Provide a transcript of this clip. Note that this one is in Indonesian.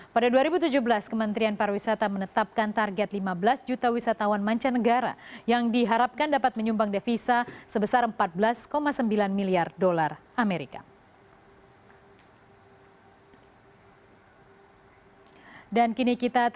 pada dua ribu tujuh belas kementerian pariwisata menetapkan target lima belas juta wisatawan mancanegara yang diharapkan dapat menyumbang devisa sebesar empat belas sembilan miliar dolar amerika